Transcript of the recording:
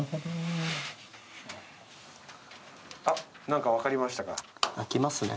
何か分かりましたか？